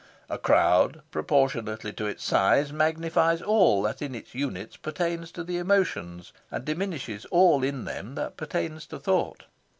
A crowd, proportionately to its size, magnifies all that in its units pertains to the emotions, and diminishes all that in them pertains to thought.